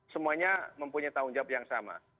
semuanya mempunyai tanggung jawab yang sama